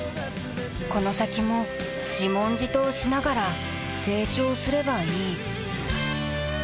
この先も自問自答しながら成長すればいい